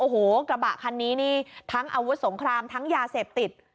โอ้โหกระบะคันนี้นี่ทั้งอาวุธสงครามทั้งยาเสพติด